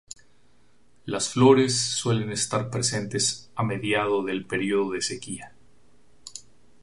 Las flores suelen estar presentes a mediado del periodo de sequía.